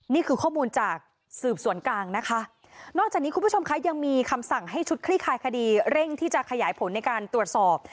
นี่คือข้อมูลจากสืบสวนกลางนะคะนอกจากนี้คุณผู้ชมคะยังมีคำสั่งให้ชุดคลี่คลายคดีเร่งที่จะขยายผลในการตรวจสอบ